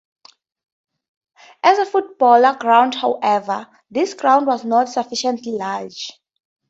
As a football ground however, this ground was not sufficiently large.